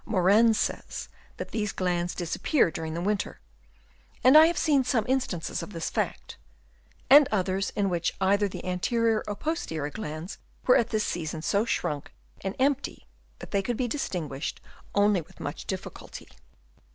Morren says that these glands disappear during the winter ; and I have seen some instances of this fact, and others in which either the anterior or posterior glands were at this season so shrunk and empty, that they could be distinguished only with much difficulty.